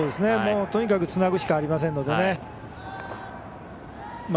とにかくつなぐしかありませんのでね。